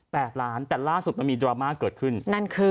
ล้านแต่ล่าสุดมันมีดราม่าเกิดขึ้นนั่นคือ